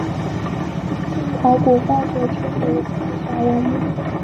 经考古发掘出土不少文物。